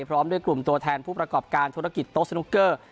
พร้อมด้วยกลุ่มตัวแทนผู้ประกอบการธุรกิจโต๊ะสนุกเกอร์